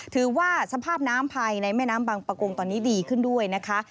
ถือว่าสภาพน้ำภายในแม่น้ำบางประกงตอนนี้ดีขึ้นด้วยนะคะ